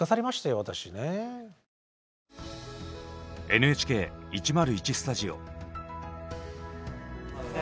ＮＨＫ１０１スタジオ。